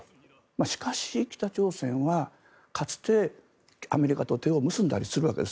しかし、北朝鮮はかつてアメリカを手を結んだりするわけです。